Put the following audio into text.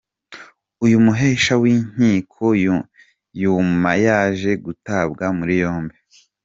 Uyu muhesha w’inkiko nyuma yaje gutabwa muri yombi